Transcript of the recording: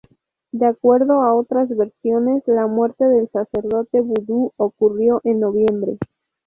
De acuerdo a otras versiones, la muerte del sacerdote vudú ocurrió en noviembre.